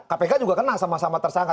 kpk juga kena sama sama tersangka